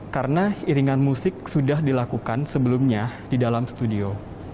karena iringan musik sudah dilakukan sebelumnya di dalam studio